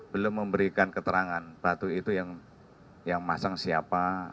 belum memberikan keterangan batu itu yang masang siapa